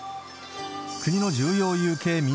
国の重要有形民俗